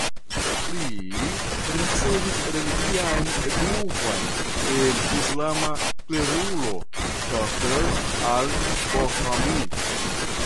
Li ricevis religian edukon el islama klerulo Ĝaser Al Borhami.